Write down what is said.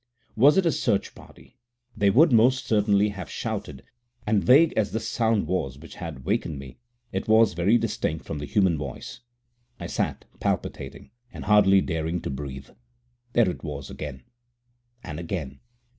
Was it a search party? They would most certainly have shouted, and vague as this sound was which had wakened me, it was very distinct from the human voice. I sat palpitating and hardly daring to breathe. There it was again! And again!